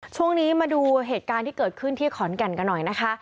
ช่วงนี้มาดูเหตุการณ์ที่เกิดขึ้นที่ขอนแก่นกันหน่อยนะคะ